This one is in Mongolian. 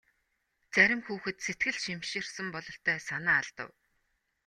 Зарим хүүхэд сэтгэл шимширсэн бололтой санаа алдав.